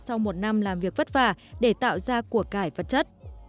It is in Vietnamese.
sau một năm làm việc vất vả để tạo ra cuộc cải vật chất